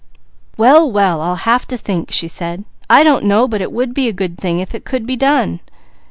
"Well! Well! I'll have to think," she said. "I don't know but it would be a good thing if it could be done."